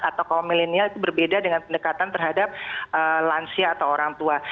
atau kaum milenial itu berbeda dengan pendekatan terhadap lansia atau orang tua